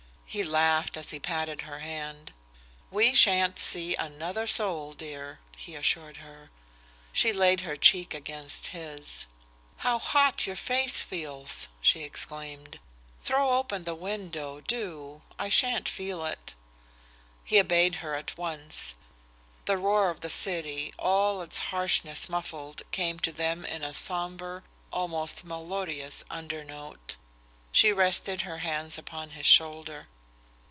He laughed as he patted her hand. "We shan't see another soul, dear," he assured her. She laid her cheek against his. "How hot your face feels," she exclaimed. "Throw open the window, do. I shan't feel it." He obeyed her at once. The roar of the city, all its harshness muffled, came to them in a sombre, almost melodious undernote. She rested her hands upon his shoulder.